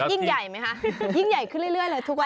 ยิ่งใหญ่ไหมคะยิ่งใหญ่ขึ้นเรื่อยเลยทุกวัน